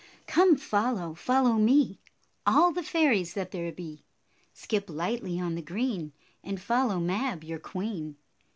Come follow, follow me, All the fairies that there be. Skip lightly on the green, And follow Mab, your queen.